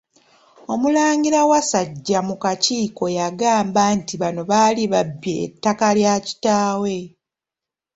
Omulangira Wasajja mu kakiiko yagamba nti bano baali babbye ettaka la kitaawe.